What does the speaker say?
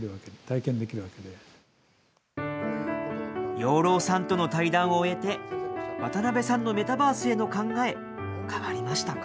養老さんとの対談を終えて、渡辺さんのメタバースへの考え、変わりましたか？